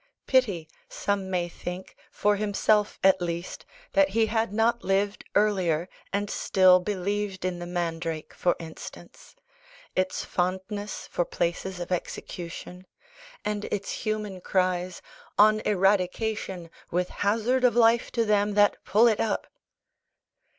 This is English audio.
Pity! some may think, for himself at least, that he had not lived earlier, and still believed in the mandrake, for instance; its fondness for places of execution, and its human cries "on eradication, with hazard of life to them that pull it up."